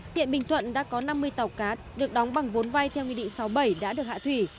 hiện bình thuận đã có năm mươi tàu cá được đóng bằng vốn vay theo nghị định sáu mươi bảy đã được hạ thủy